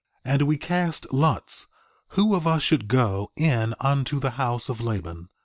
3:11 And we cast lots—who of us should go in unto the house of Laban.